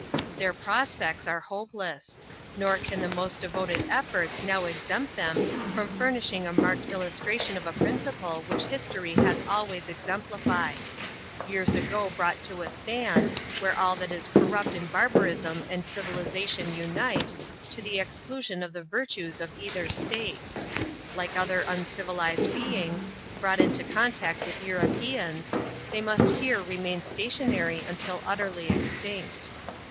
Their prospects are hopeless. Nor can the most devoted efforts now exempt them from furnishing a marked illustration of a principle which history has always exemplified. Years ago brought to a stand, where all that is corrupt in barbarism and civilization unite, to the exclusion of the virtues of either state ; like other uncivilized beings, brought into contact with Europeans, they must here remain stationary imtil utterly extinct.